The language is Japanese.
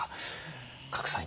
賀来さん